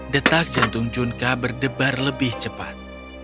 detak jantung junka berdebar lebih cepat